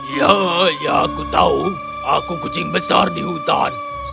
ya ya aku tahu aku kucing besar di hutan